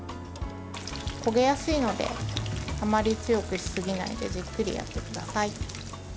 焦げやすいのであまり強くしすぎないでじっくり焼いていください。